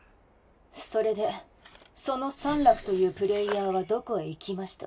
それでそのサンラクというプレイヤーはどこへ行きました